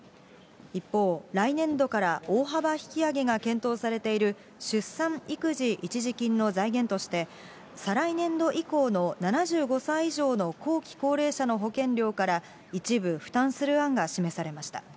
一方、来年度から大幅引き上げが検討されている、出産育児一時金の財源として、再来年度以降の７５歳以上の後期高齢者の保険料から、一部負担する案が示されました。